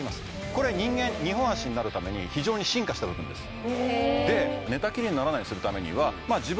これ人間２本足になるために非常に進化した部分ですへえ